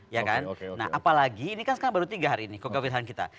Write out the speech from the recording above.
ya kan nah apalagi ini kan sekarang baru tiga hari ini kegawiran kita